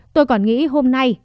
tôi còn nghĩ hôm nay